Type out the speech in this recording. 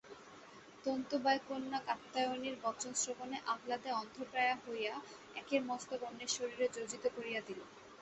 তন্তুবায়কন্যা কাত্যায়নীর বচনশ্রবণে আহ্লাদে অন্ধপ্রায়া হইয়া একের মস্তক অন্যের শরীরে যোজিত করিয়া দিল।